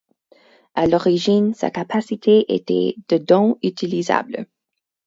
À l'origine, sa capacité était de dont utilisables.